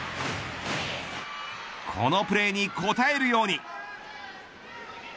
このプレーに応えるように。